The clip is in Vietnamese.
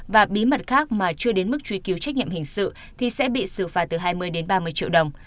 và bí mật khác mà chưa đến mức truy cứu trách nhiệm hình sự thì sẽ bị xử phạt từ hai mươi đến ba mươi triệu đồng